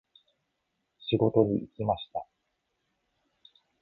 仕事に行きました。